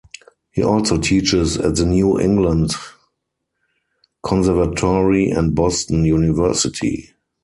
He also teaches at the New England Conservatory and Boston University.